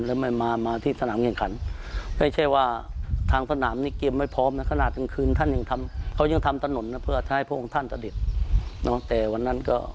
และไม่มาที่สนามเกี่ยวขัน